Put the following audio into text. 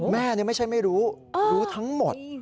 แม่นี่ไม่ใช่ไม่รู้รู้ทั้งหมด